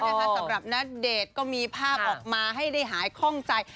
สำหรับณเดชน์ก็มีภาพออกมาให้ได้หายคล่องใจ